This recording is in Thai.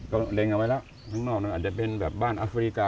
ก็เร่งเอาไว้แล้วทั้งนอกอาจจะเป็นแบบบ้านอัฟเวริกา